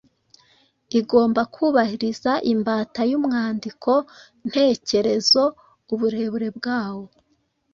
Igomba kubahiriza imbata y’umwandiko ntekerezo, uburebure bwawo,